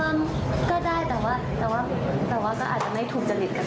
เอ่อก็ได้แต่ว่าก็อาจจะไม่ถูกเจริญค่ะนะ